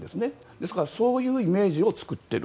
ですから、そういうイメージを作っている。